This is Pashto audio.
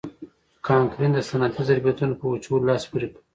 کانکرین د صنعتي ظرفیتونو په وچولو لاس پورې کړ.